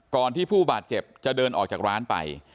ที่ผู้บาดเจ็บจะเดินออกจากร้านไป